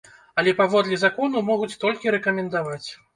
Але паводле закону могуць толькі рэкамендаваць.